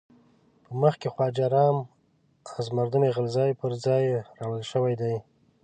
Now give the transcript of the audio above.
په مخ کې خواجه رام از مردم غلزی پر ځای راوړل شوی دی.